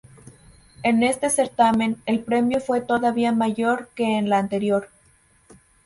En este certamen, el premio fue todavía mayor que en la anterior.